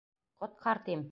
Ҡоткар, тим.